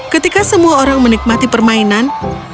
ketika semua orang menikmati permainan